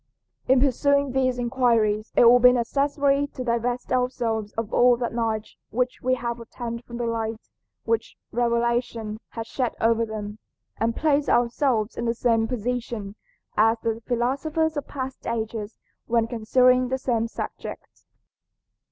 In pursuing these inquiries it will be necessary to divest ourselves of all that knowledge which we have obtained from the light which revelation has shed over them, and place ourselves in the same position as the philosophers of past ages when considering the same subject.